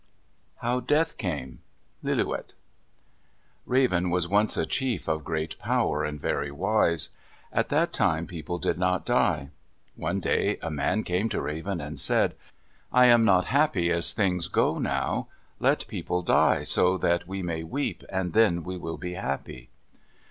HOW DEATH CAME Lillooet Raven was once a chief of great power and very wise. At that time people did not die. One day a man came to Raven and said, "I am not happy as things go now. Let people die so that we may weep, and then we will be happy."